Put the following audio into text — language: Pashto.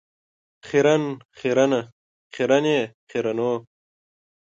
خیرن، خیرنه ،خیرنې ، خیرنو .